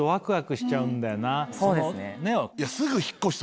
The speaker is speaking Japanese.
そうですね。